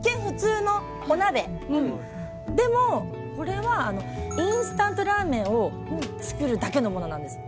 でもこれはインスタントラーメンを作るだけのものなんです。